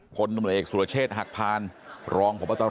คนตำละเอกสุรเชษหักพานรองผมว่าต้อรอ